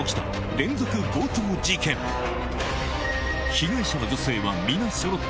被害者の女性は皆そろって